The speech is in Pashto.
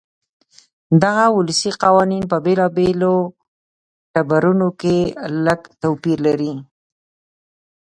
دغه ولسي قوانین په بېلابېلو ټبرونو کې لږ توپیر لري.